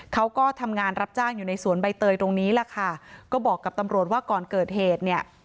เขาก็ทำงานรับจ้างอยู่ในสวนใบเตยตรงนี้แหละค่ะก็บอกกับตำรวจว่าก่อนเกิดเหตุเนี่ย